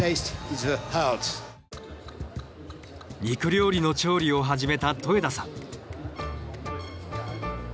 肉料理の調理を始めた戸枝さん。